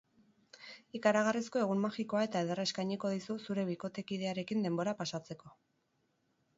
Ikaragarrizko egun magikoa eta ederra eskainiko dizu zure bikotekidearekin denbora pasatzeko.